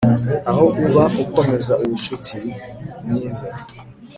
aho uba ukomeza ubucuti mwiza